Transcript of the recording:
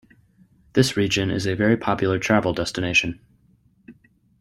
This region is a very popular travel destination.